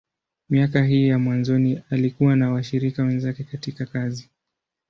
Miaka hii ya mwanzoni, alikuwa na washirika wenzake katika kazi.